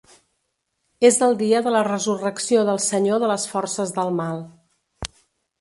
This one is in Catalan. És el dia de la resurrecció del senyor de les forces del mal.